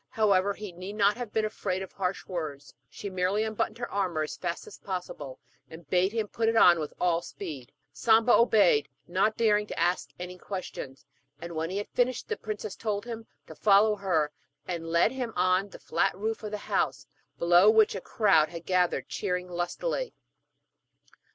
However, he need not have been afraid of harsh words: she merely unbuttoned her armour as fast as possible, and bade him put it on with all speed. Samba obeyed, not daring to ask any questions; and when he had finished the princess told him to follow her, and led him on to the flat roof of the house, below which a crowd had gathered, cheering lustily.